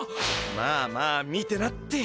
まあまあ見てなって。